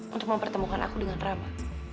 untuk mempertemukan aku dengan rama